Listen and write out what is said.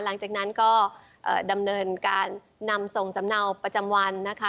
หลังจากนั้นก็ดำเนินการนำส่งสำเนาประจำวันนะคะ